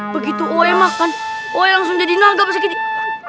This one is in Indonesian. begitu oe makan oe langsung jadi naga bos kitih